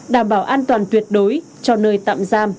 đảm bảo an toàn tuyệt đối cho nơi tạm giam